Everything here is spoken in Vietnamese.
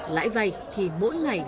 lãi vay thì mỗi ngày